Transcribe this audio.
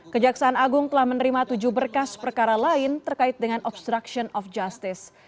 kejaksaan agung telah menerima tujuh berkas perkara lain terkait dengan obstruction of justice